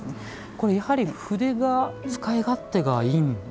これやはり筆が使い勝手がいいんですか？